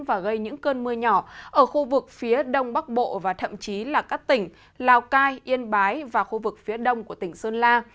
và gây những cơn mưa nhỏ ở khu vực phía đông bắc bộ và thậm chí là các tỉnh lào cai yên bái và khu vực phía đông của tỉnh sơn la